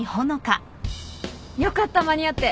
よかった間に合って。